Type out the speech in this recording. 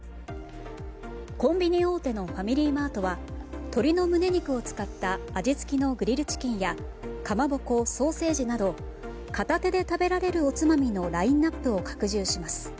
コンビニ大手のファミリーマートは鶏の胸肉を使った味付きのグリルチキンやかまぼこ、ソーセージなど片手で食べられるおつまみのラインアップを拡充します。